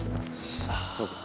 「そうか！